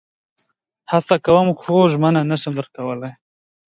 هڅه کوم خو ژمنه نشم درسره کولئ